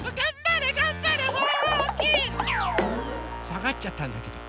さがっちゃったんだけど。